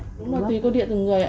đúng rồi tùy cô địa từng người ạ